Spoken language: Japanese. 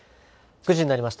９時になりました。